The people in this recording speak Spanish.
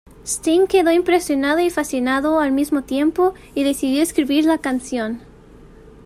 Sting quedó impresionado y fascinado al mismo tiempo y decidió escribir la canción.